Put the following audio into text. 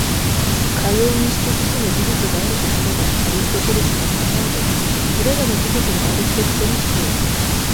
かようにして種々の技術があるとすれば、アリストテレスが考えた如く、それらの技術のアルヒテクトニックを、